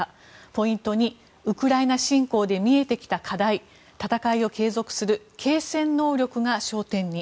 ポイント２ウクライナ侵攻で見えてきた課題戦いを継続する継戦能力が焦点に。